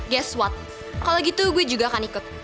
guest what kalau gitu gue juga akan ikut